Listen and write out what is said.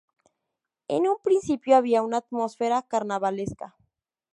En un principio había una atmósfera carnavalesca.